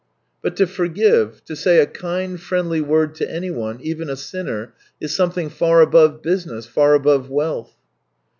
" But to forgive, to say a kind, friendly word to anyone, even a sinner, is something far above business, far above wealth."